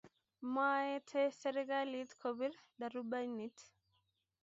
maete serikalit kopir darubinit